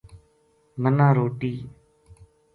منا روٹی